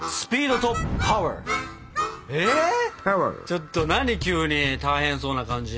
ちょっと何急に大変そうな感じ。